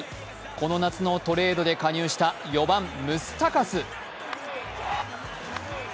この夏のトレードで加入した４番・ムスタカス。